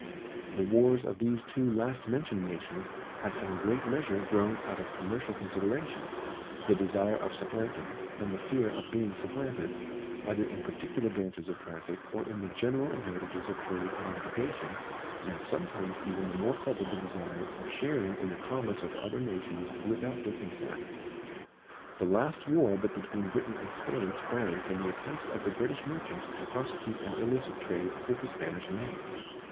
The wars of these two last mentioned nations have in a great measure grown out of commercial considerations, the desire of supplanting and the fear of being supplanted, either in particular branches of traffic or in the general advantages of trade and navigation, and sometimes even the more culpable desire of sharing in the commerce of other nations without their consent. The last war but between Britain and Spain sprang from the attempts of the British merchants to prosecute an illicit trade with the Spanish main.